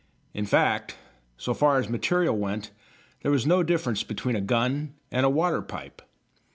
In fact, so far as material went, there was no difference between a gun and a water pipe.